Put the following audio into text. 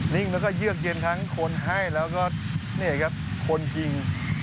่งแล้วก็เยือกเย็นทั้งคนให้แล้วก็นี่ครับคนยิง